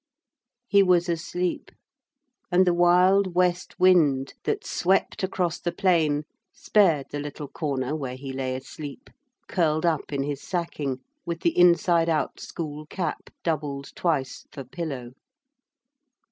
He was asleep. And the wild west wind that swept across the plain spared the little corner where he lay asleep, curled up in his sacking with the inside out school cap, doubled twice, for pillow.